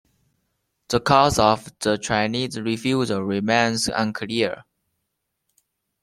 The cause of the Chinese refusal remains unclear.